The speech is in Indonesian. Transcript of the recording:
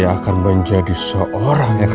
akan menjadi seorang yang